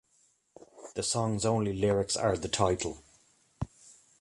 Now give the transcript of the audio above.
The song's only lyrics are the title.